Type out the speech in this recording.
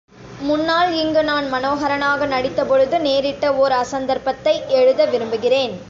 முன்னால் இங்கு நான் மனோஹரனாக நடித்த பொழுது நேரிட்ட ஓர் அசந்தர்ப்பத்தை எழுத விரும்புகிறேன்.